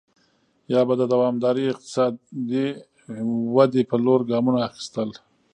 یا به د دوامدارې اقتصادي ودې په لور ګامونه اخیستل.